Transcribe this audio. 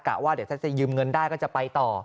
ว่าเดี๋ยวถ้าจะยืมเงินได้ก็จะไปต่อ